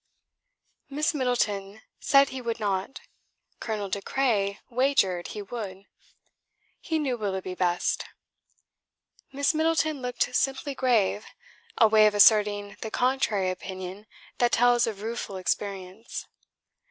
Miss Middleton said he would not. Colonel De Craye wagered he would; he knew Willoughby best. Miss Middleton looked simply grave; a way of asserting the contrary opinion that tells of rueful experience.